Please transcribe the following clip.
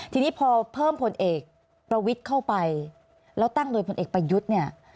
ทีนี้พอเพิ่มผลเอกประวิทย์เข้าไปแล้วตั้งโดยพลเอกประยุทธ์เนี่ย